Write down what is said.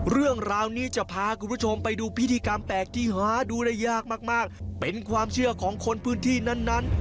เรื่องราวนี้จะพาคุณผู้ชมไปดูพิธีกรรมแปลกที่หาดูได้ยากมากเป็นความเชื่อของคนพื้นที่นั้น